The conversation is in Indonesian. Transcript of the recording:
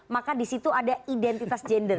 maka disitu ada identitas gender